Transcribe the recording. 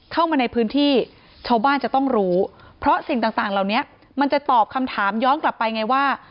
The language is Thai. เข้ามาในพื้นที่ชาวบ้านจะต้องรู้เพราะสิ่งต่างเหล่านี้มันจะตอบคำถามย้อนกลับไปไงว่า